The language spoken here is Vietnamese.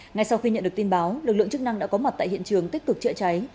ngay sau khi nhận được tin báo lực lượng chức năng đã có mặt tại hiện trường tích cực chữa cháy